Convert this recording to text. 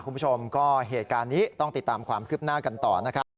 คุณผู้ชมก็เหตุการณ์นี้ต้องติดตามความคืบหน้ากันต่อนะครับ